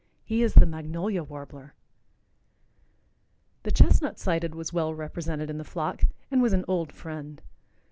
He is the magnolia warbler. The chestnut sided was well represented in the flock, and was an old friend.